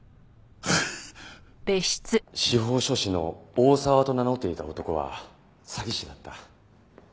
司法書士の大沢と名乗っていた男は詐欺師だった。